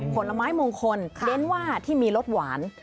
ผลไม้มงคลเน้นว่าที่มีรสหวาน